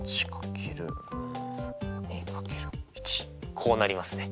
こうなりますね。